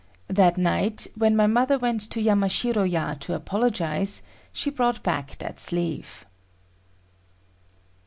That night when my mother went to Yamashiro ya to apologize, she brought back that sleeve.